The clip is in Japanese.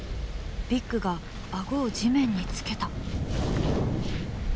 ビッグがアゴを地面につけた。